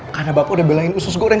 karena bapak udah belain usus goreng